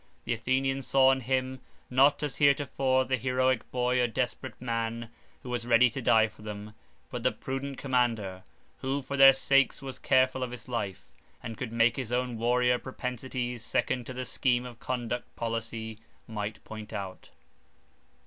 The Athenians saw in him, not as heretofore, the heroic boy or desperate man, who was ready to die for them; but the prudent commander, who for their sakes was careful of his life, and could make his own warrior propensities second to the scheme of conduct policy might point out.